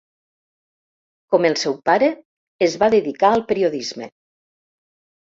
Com el seu pare, es va dedicar al periodisme.